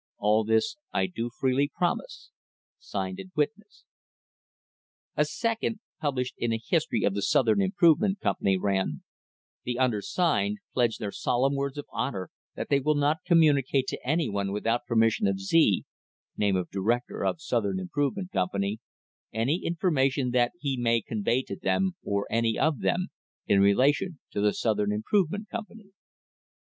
All this I do freely promise. Signed Witnessed by A second, published in a history of the "Southern Improve ment Company," ran: The undersigned pledge their solemn words of honour that they will not communicate to any one without permission of Z (name of director of Southern Improvement Com pany) any information that he may convey to them, or any of them, in relation to the Southern Improvement Company.